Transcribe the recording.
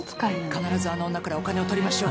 必ずあの女からお金を取りましょう。